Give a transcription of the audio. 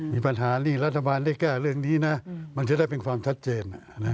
มีปัญหานี่รัฐบาลได้แก้เรื่องนี้นะมันจะได้เป็นความชัดเจน